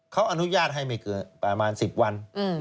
เขาอนุญาตให้มีประมาณ๑๐วัน